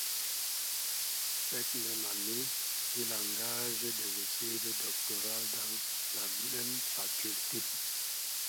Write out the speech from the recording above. Cette même année, il engage des études doctorales dans la même faculté.